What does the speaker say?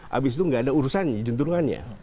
habis itu enggak ada urusan jendurungannya